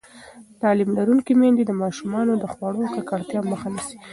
تعلیم لرونکې میندې د ماشومانو د خوړو ککړتیا مخه نیسي.